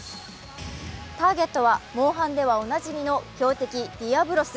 ターゲットは「モンハン」ではおなじみの強敵・ディアブロス。